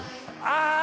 あ！